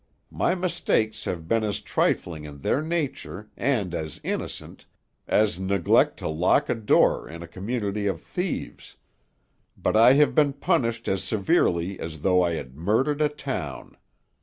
My mistakes have been as trifling in their nature, and as innocent, as neglect to lock a door in a community of thieves; but I have been punished as severely as though I had murdered a town.